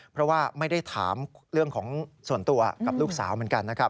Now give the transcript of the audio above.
เพราะว่าไม่ได้ถามเรื่องของส่วนตัวกับลูกสาวเหมือนกันนะครับ